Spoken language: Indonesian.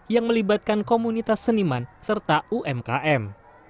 yang melibatkan komunitas seniman serta umkm